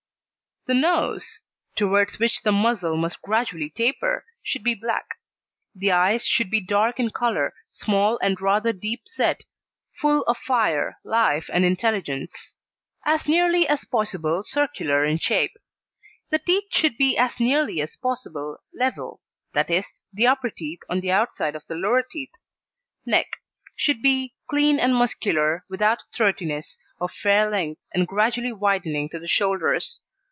The Nose, towards which the muzzle must gradually taper, should be black. The Eyes should be dark in colour, small, and rather deep set, full of fire, life, and intelligence; as nearly as possible circular in shape. The Teeth should be as nearly as possible level, i.e., the upper teeth on the outside of the lower teeth. NECK Should be clean and muscular, without throatiness, of fair length, and gradually widening to the shoulders.